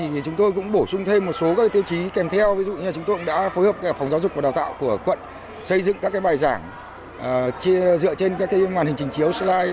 phòng giáo dục và đào tạo của quận xây dựng các bài giảng dựa trên các màn hình trình chiếu slide